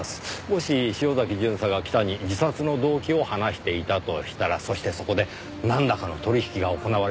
もし潮崎巡査が北に自殺の動機を話していたとしたらそしてそこでなんらかの取引が行われていたとしたら。